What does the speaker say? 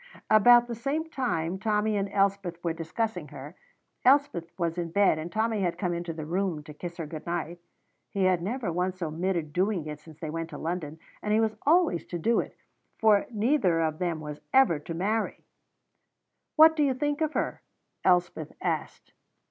About the same time Tommy and Elspeth were discussing her. Elspeth was in bed, and Tommy had come into the room to kiss her good night he had never once omitted doing it since they went to London, and he was always to do it, for neither of them was ever to marry. "What do you think of her?" Elspeth asked.